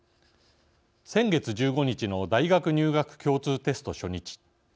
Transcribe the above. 先月１５日の大学入学共通テスト初日。